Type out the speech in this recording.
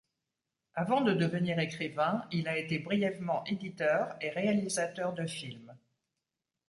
Avant de devenir écrivain, il a été brièvement éditeur et réalisateur de films.